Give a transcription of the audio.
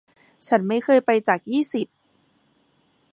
ฉันไม่เคยไปจากยี่สิบ